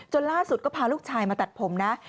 ล่าสุดก็พาลูกชายมาตัดผมนะ